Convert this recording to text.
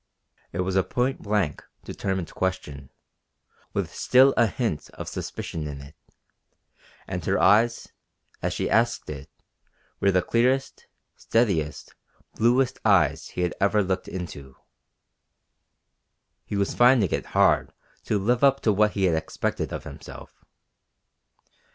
It was a point blank, determined question, with still a hint of suspicion in it; and her eyes, as she asked it, were the clearest, steadiest, bluest eyes he had ever looked into. He was finding it hard to live up to what he had expected of himself.